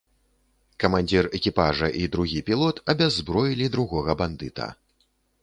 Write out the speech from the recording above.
Камандзір экіпажа і другі пілот абяззброілі другога бандыта.